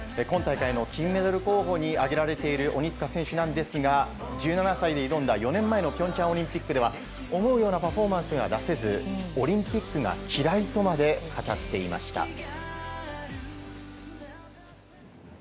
今大会の金メダル候補に挙げられている鬼塚選手ですが、１７歳で挑んだ４年前の平昌オリンピックでは思うようなパフォーマンスが出せずオリンピックが嫌いとまで語っていました。